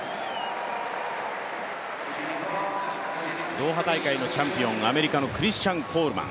ドーハ大会のチャンピオン、アメリカのクリスチャン・コールマン。